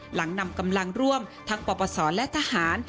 หลังนำกำลังร่วมทั้งปปศและทหาร